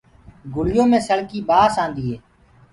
گُݪيو مي سݪڪيٚ ڪيٚ ٻآس آندي هي۔